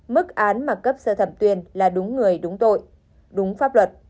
mức án mà cấp sơ thẩm tuyên là đúng người đúng tội đúng pháp luật